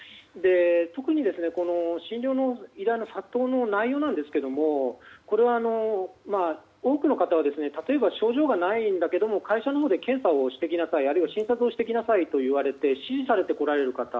特に診療の依頼の殺到の内容なんですがこれは、多くの方は例えば、症状がないんだけども会社のほうで検査をしてきなさい診察をしてきなさいと指示されて来られる方。